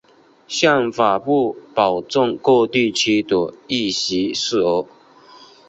宪法不保证各地区的议席数额。